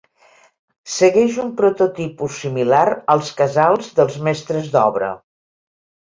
Segueix un prototipus similar als casals dels mestres d'obra.